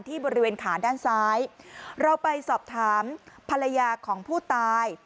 บริเวณขาด้านซ้ายเราไปสอบถามภรรยาของผู้ตาย